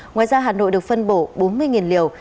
ngoài ra hà nội được phân bổ bốn mươi liều